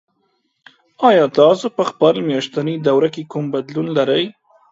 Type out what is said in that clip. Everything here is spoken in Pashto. ایا تاسو په خپل میاشتني دوره کې کوم بدلون لرئ؟